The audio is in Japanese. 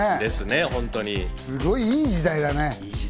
すごい、いい時代だね。